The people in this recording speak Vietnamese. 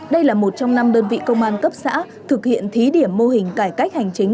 đây là một trong năm đơn vị công an cấp xã thực hiện thí điểm mô hình cải cách hành chính